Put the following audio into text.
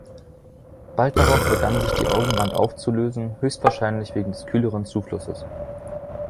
Bald darauf begann sich die Augenwand aufzulösen, höchstwahrscheinlich wegen des kühleren Zuflusses.